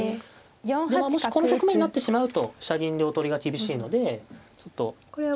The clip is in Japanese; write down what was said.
でまあもしこの局面になってしまうと飛車銀両取りが厳しいのでちょっと。